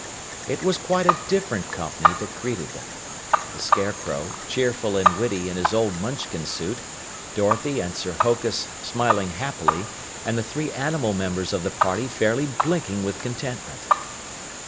It was quite a different company that greeted them. The Scarecrow, cheerful and witty in his old Munchkin suit, Dorothy and Sir Hokus smiling happily, and the three animal members of the party fairly blinking with contentment.